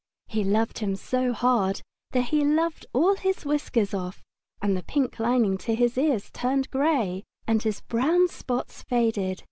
He loved him so hard that he loved all his whiskers off, and the pink lining to his ears turned grey, and his brown spots faded.